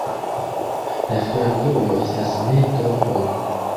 La fervojo estas ne tro for.